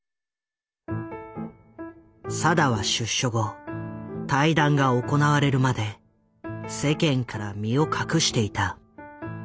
定は出所後対談が行われるまで世間から身を隠していた。